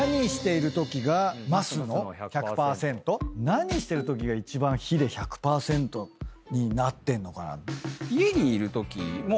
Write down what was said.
何してるときが一番ヒデ１００％になってんのかな。